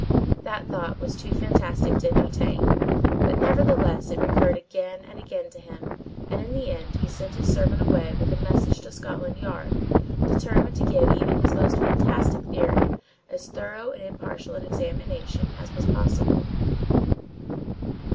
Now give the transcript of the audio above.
That thought was too fantastic to entertain, but nevertheless it recurred again and again to him and in the end he sent his servant away with a message to Scotland Yard, determined to give even his most fantastic theory as thorough and impartial an examination as was possible.